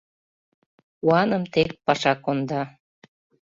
Куаным тек паша конда.